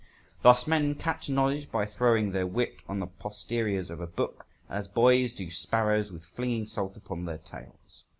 Thus men catch knowledge by throwing their wit on the posteriors of a book, as boys do sparrows with flinging salt upon their tails.